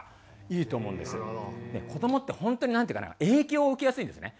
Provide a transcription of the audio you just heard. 子どもって本当になんていうかな影響を受けやすいんですね。